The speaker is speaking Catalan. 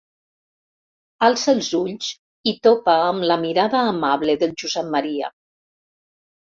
Alça els ulls i topa amb la mirada amable del Josep Maria.